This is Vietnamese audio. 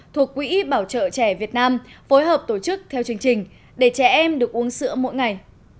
thuộc quỹ bảo trợ trẻ việt nam phối hợp tổ chức theo chương trình để trẻ em được uống sữa mỗi ngày